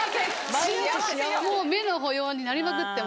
もう目の保養になりまくって。